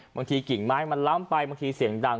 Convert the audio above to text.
กิ่งไม้มันล้ำไปบางทีเสียงดัง